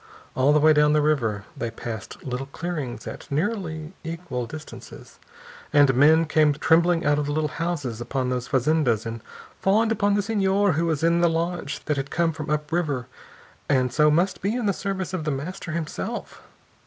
All the way down the river they passed little clearings at nearly equal distances. And men came trembling out of the little houses upon those fazendas and fawned upon the Senhor who was in the launch that had come from up river and so must be in the service of The Master himself.